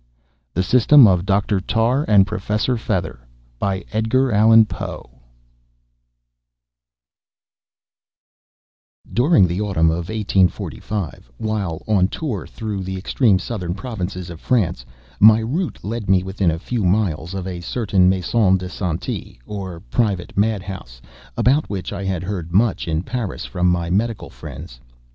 THE SYSTEM OF DOCTOR TARR AND PROFESSOR FETHER During the autumn of 18—, while on a tour through the extreme southern provinces of France, my route led me within a few miles of a certain Maison de Santé or private mad house, about which I had heard much, in Paris, from my medical friends.